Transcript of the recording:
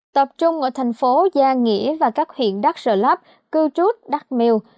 tập trung ở thành phố gia nghĩa và các huyện đắk sở lắp cư trút đắk miu